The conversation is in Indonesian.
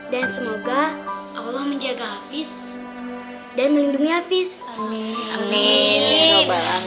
semoga allah menjaga hafiz dan melindungi hafiz